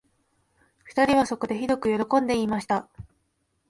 二人はそこで、ひどくよろこんで言いました